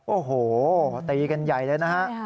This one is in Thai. โอ้โหตีกันใหญ่เลยนะฮะ